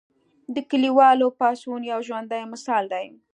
د کلیوالو پاڅون یو ژوندی مثال دی.